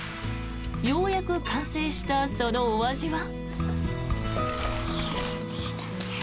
ようやく完成したそのお味は。